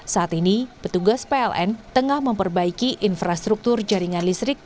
saat ini petugas pln tengah memperbaiki infrastruktur jaringan listrik